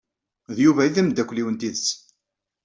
D Yuba i d amdakel-iw n tidett.